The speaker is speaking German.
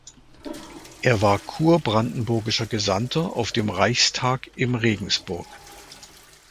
Er war kurbrandenburgischer Gesandter auf dem Reichstag im Regensburg.